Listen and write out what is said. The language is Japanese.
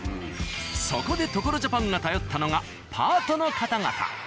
そこで「所ＪＡＰＡＮ」が頼ったのがパートの方々。